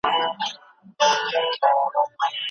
د پښتو د روزنې لپاره باید ښه استادان وټاکل سي.